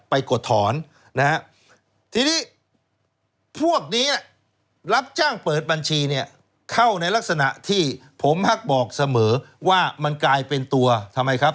กดถอนนะฮะทีนี้พวกนี้รับจ้างเปิดบัญชีเนี่ยเข้าในลักษณะที่ผมมักบอกเสมอว่ามันกลายเป็นตัวทำไมครับ